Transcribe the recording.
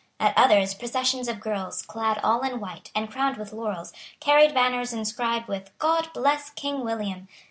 At others processions of girls, clad all in white, and crowned with laurels, carried banners inscribed with "God bless King William."